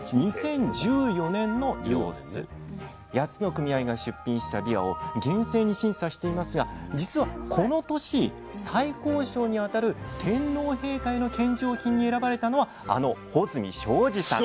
８つの組合が出品したびわを厳正に審査していますがじつはこの年最高賞にあたる天皇陛下への献上品に選ばれたのはあの穂積昭治さん。